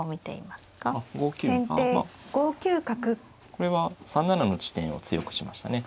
これは３七の地点を強くしましたね。